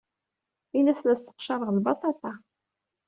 Ini-as la sseqcareɣ lbaṭaṭa.